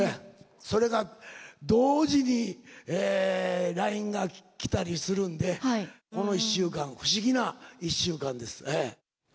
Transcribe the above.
それが同時にＬＩＮＥが来たりするんで、この１週間、不思議な１週間ですね。